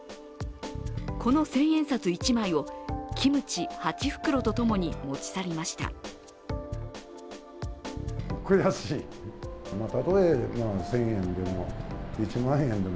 この千円札１枚をキムチ８袋と共に持ち去りました。